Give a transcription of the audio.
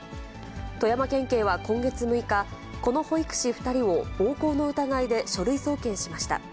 富山県警は今月６日、この保育士２人を暴行の疑いで書類送検しました。